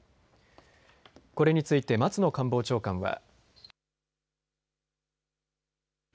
これについて松野官房長官は。